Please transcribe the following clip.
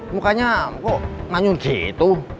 mukanya kok nganyur gitu